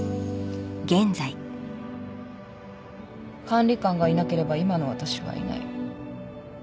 管理官がいなければ今の私はいない。